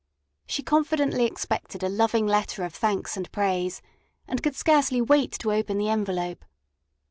She confidently expected a loving letter of thanks and praise, and could scarcely wait to open the envelope.